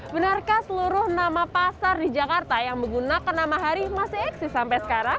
benarkah seluruh nama pasar di jakarta yang menggunakan nama hari masih eksis sampai sekarang